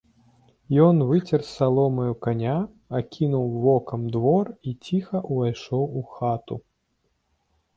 Ён выцер саломаю каня, акінуў вокам двор і ціха ўвайшоў у хату.